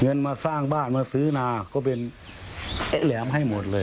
เงินมาสร้างบ้านมาซื้อนาก็เป็นเอ๊ะแหลมให้หมดเลย